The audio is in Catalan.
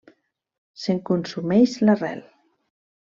Se’n consumeix l’arrel.